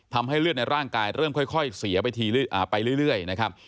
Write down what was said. ทำให้เลือดในร่างกายเริ่มค่อยเสียไปเรื่อยนะครับ